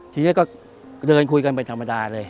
ทีนี้ก็เดินคุยกันไปธรรมดาเลย